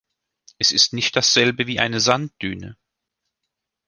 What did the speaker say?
Es ist nicht dasselbe wie eine Sanddüne.